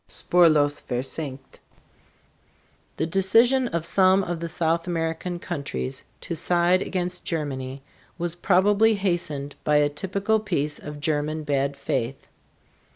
SPURLOS VERSENKT. The decision of some of the South American countries to side against Germany was probably hastened by a typical piece of German bad faith.